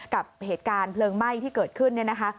กับเหตุการณ์เพลิงไหม้ที่เกิดขึ้น